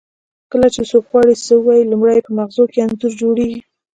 کله چې څوک غواړي څه ووایي لومړی یې په مغزو کې انځور جوړیږي